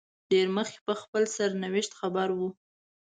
ډېر مخکې په خپل سرنوشت خبر وو.